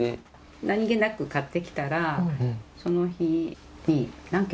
何気なく買ってきたら、その日に何桁？